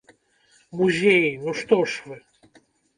Музеі, ну што ж вы!